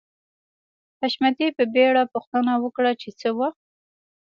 حشمتي په بېړه پوښتنه وکړه چې څه وخت